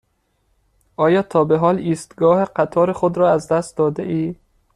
آیا تا به حال ایستگاه قطار خود را از دست داده ای؟